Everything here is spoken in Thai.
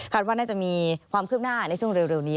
ว่าน่าจะมีความคืบหน้าในช่วงเร็วนี้